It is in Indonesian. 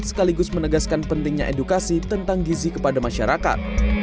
sekaligus menegaskan pentingnya edukasi tentang gizi kepada masyarakat